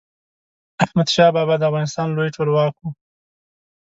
احمد شاه بابا د افغانستان لوی ټولواک و.